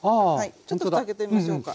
ちょっとふた開けてみましょうか。